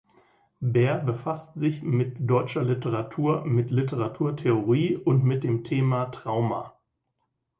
Baer befasst sich mit deutscher Literatur, mit Literaturtheorie und mit dem Thema Trauma.